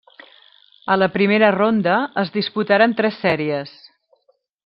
A la primera ronda es disputaren tres sèries.